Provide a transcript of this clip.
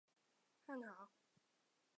汉朝属徒河县地。